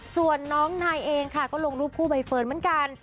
ส่วนน้องนายเองค่ะก็ลงรูปคู่ใบเฟิร์นเหมือนกัน